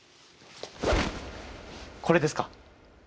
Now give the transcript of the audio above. これですか？